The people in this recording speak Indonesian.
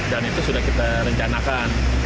dan itu sudah kita rencanakan